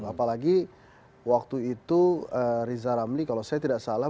apalagi waktu itu riza ramli kalau saya tidak salah